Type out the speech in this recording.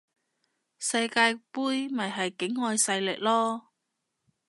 世界盃咪係境外勢力囉